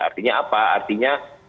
artinya apa artinya